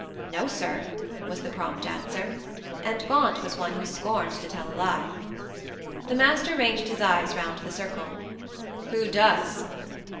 "No, sir," was the prompt answer. And Gaunt was one who scorned to tell a lie. The master ranged his eyes round the circle. "Who does?"